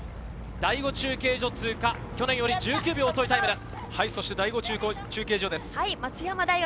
第５中継所通過、去年より１９秒遅いタイムです。